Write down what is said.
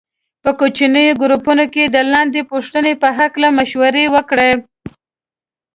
په کوچنیو ګروپونو کې د لاندې پوښتنې په هکله مشوره وکړئ.